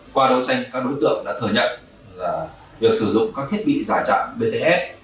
qua đấu tranh các đối tượng đã thừa nhận việc sử dụng các thiết bị giả chặn bts